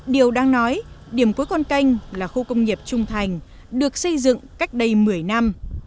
điều đang nói điểm cuối con canh là khu công nghiệp trung thành được xây dựng cách đây một mươi năm